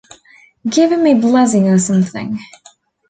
Give him a blessing or something.